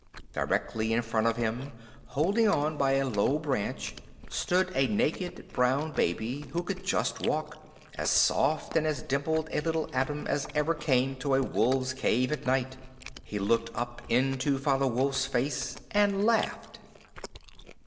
Directly in front of him, holding on by a low branch, stood a naked brown baby who could just walk as soft and as dimpled a little atom as ever came to a wolf's cave at night. He looked up into Father Wolf's face, and laughed.